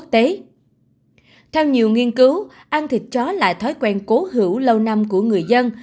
theo nhiều nghiên cứu ăn thịt chó là thói quen cố hữu lâu năm của người dân